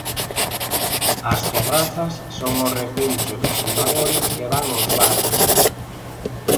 As terrazas son o recuncho dos fumadores que van aos bares.